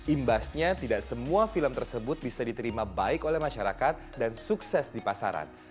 imbasnya tidak semua film tersebut bisa diterima baik oleh masyarakat dan sukses di pasaran